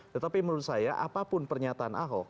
tetapi menurut saya apapun pernyataan ahok